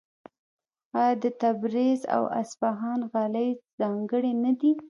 آیا د تبریز او اصفهان غالۍ ځانګړې نه دي؟